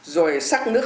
rồi sắc nước